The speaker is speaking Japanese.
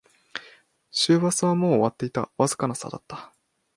終バスはもう終わっていた、わずかな差だった